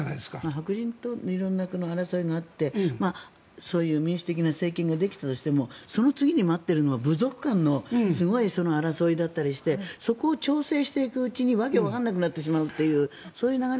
白人と話し合いがあってそういう民主的な政権ができたとしてもその次に待っているのは部族間のすごい争いだったりしてそこを調整していくうちにわけがわからなくなってしまうという。